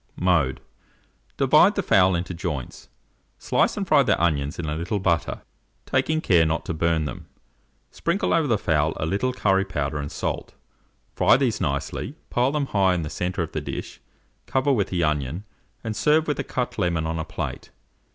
Mode. Divide the fowl into joints; slice and fry the onions in a little butter, taking care not to burn them; sprinkle over the fowl a little curry powder and salt; fry these nicely, pile them high in the centre of the dish, cover with the onion, and serve with a cut lemon on a plate.